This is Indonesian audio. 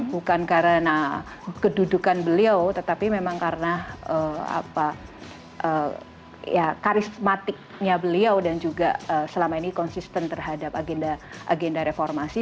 bukan karena kedudukan beliau tetapi memang karena karismatiknya beliau dan juga selama ini konsisten terhadap agenda reformasi